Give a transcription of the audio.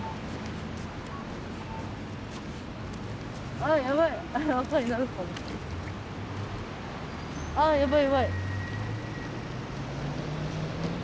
あやばいやばい。